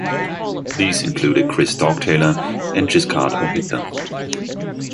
These included Chris Dogtailer and Giscard O'Hitler.